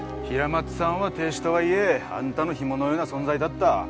平松さんは亭主とはいえあんたのヒモのような存在だった。